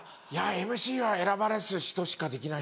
ＭＣは選ばれす人しかできない。